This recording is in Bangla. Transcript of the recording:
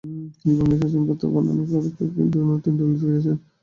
তিনি বাংলার শাসনকর্তা বানান কিন্তু তিনি দিল্লিতে ফিরে আসেন।